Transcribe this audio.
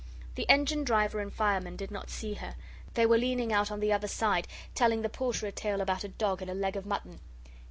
The engine driver and fireman did not see her. They were leaning out on the other side, telling the Porter a tale about a dog and a leg of mutton.